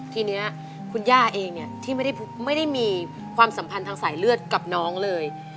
ทีนี้คุณย่าเองเนี่ยที่ไม่ได้มีความสัมพันธ์ทางสายเลือดกับน้องเลย